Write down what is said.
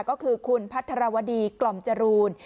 ก็คือคุณพัทรวดีกล่อมจรูน